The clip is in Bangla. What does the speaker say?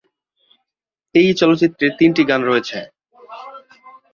এই চলচ্চিত্রে তিনটি গান রয়েছে।